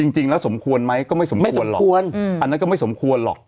จริงแล้วสมควรไหมก็ไม่สมควรหรอกอันนั้นก็ไม่สมควรหรอก